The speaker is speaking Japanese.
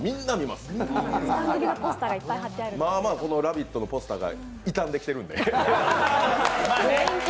まあまあ「ラヴィット！」のポスターが傷んできてるんで。